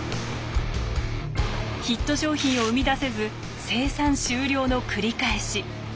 ヒット商品を生み出せず生産終了の繰り返し。